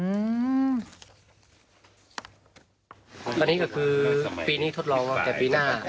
อันนี้ก็คือปีนี้ทดลองว่าแต่ปีหน้า